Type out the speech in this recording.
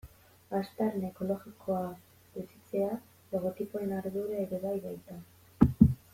Aztarna ekologikoa gutxitzea logotipoen ardura ere bai baita.